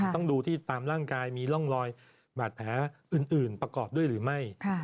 ต้องดูที่ตามร่างกายมีร่องรอยบาดแผลอื่นประกอบด้วยหรือไม่